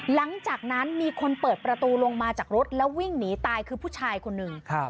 หลังจากนั้นมีคนเปิดประตูลงมาจากรถแล้ววิ่งหนีตายคือผู้ชายคนหนึ่ง